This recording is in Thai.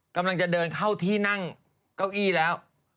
กำลังจะเดินเข้าที่นั่งเก้าอี้แล้ว